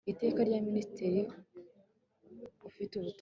iteka rya minisitiri ufite ubutabera mu